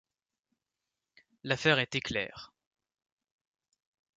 L’affaire était claire.